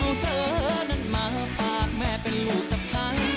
เอาเธอนั้นมาฝากแม่เป็นลูกกับใคร